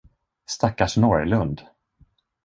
Stackars Norrlund!